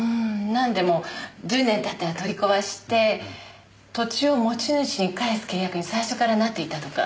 なんでも１０年経ったら取り壊して土地を持ち主に返す契約に最初からなっていたとか。